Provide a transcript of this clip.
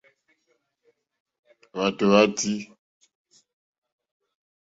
Hwátò hwá tʃǐ.